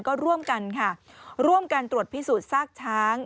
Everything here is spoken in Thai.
ก็ร่วมกันค่ะร่วมกันตรวจพิสูจน์ซากช้าง